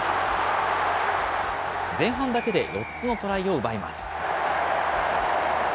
前半だけで４つのトライを奪います。